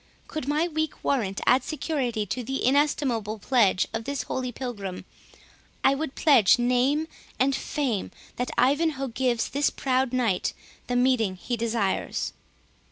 Could my weak warrant add security to the inestimable pledge of this holy pilgrim, I would pledge name and fame that Ivanhoe gives this proud knight the meeting he desires."